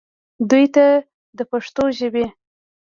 دوي ته د پښتو ژبې